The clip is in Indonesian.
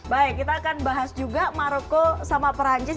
baik kita akan bahas juga maroko sama perancis